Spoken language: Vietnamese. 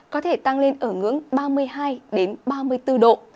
có thể tăng lên ở ngưỡng ba mươi hai ba mươi bốn độ